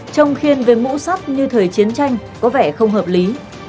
trông khiên về mũ sắt như thời chiến tranh có vẻ không hợp lý